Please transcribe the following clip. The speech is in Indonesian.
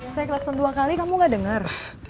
saya kelakson dua kali kamu gak denger